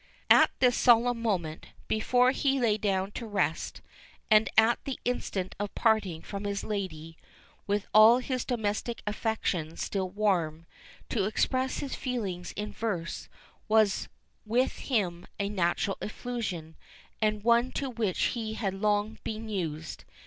At this solemn moment, before he lay down to rest, and at the instant of parting from his lady, with all his domestic affections still warm, to express his feelings in verse was with him a natural effusion, and one to which he had long been used.